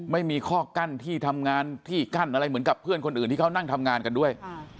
ไม่มีข้อกั้นที่ทำงานที่กั้นอะไรเหมือนกับเพื่อนคนอื่นที่เขานั่งทำงานกันด้วย